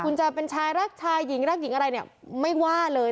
คุณจะเป็นชายรักชายหญิงรักหญิงอะไรเนี่ยไม่ว่าเลย